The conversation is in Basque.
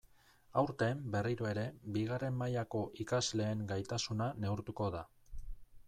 Aurten, berriro ere, bigarren mailako ikasleen gaitasuna neurtuko da.